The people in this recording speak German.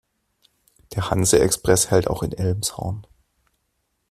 Der Hanse-Express hält auch in Elmshorn.